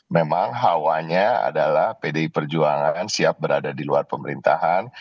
memang hawanya adalah pdi perjuangan siap berada di luar pemerintahan